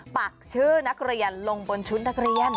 ปักชื่อนักเรียนลงบนชุดนักเรียน